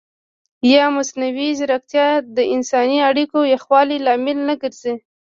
ایا مصنوعي ځیرکتیا د انساني اړیکو یخوالي لامل نه ګرځي؟